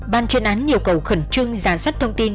ban chuyên án yêu cầu khẩn trương giả soát thông tin